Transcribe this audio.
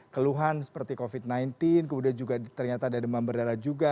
keluhan seperti covid sembilan belas kemudian juga ternyata ada demam berdarah juga